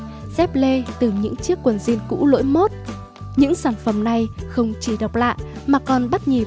hẹn gặp lại quý vị trong những chương trình tiếp theo